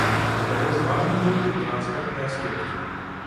Да таго ж важным быў і транспартны аспект.